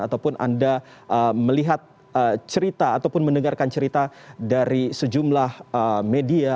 ataupun anda melihat cerita ataupun mendengarkan cerita dari sejumlah media